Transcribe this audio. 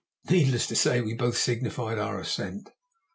Needless to say we both signified our assent.